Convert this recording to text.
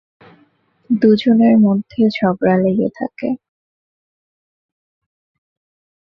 দুজনের মধ্যে ঝগড়া লেগে থাকে।